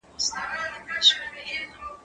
زه کولای سم مړۍ پخه کړم،